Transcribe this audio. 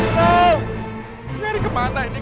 ini dari kemana ini kandung sunan purnang